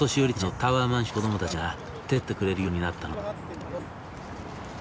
タワーマンションの子どもたちが手伝ってくれるようになったのだ。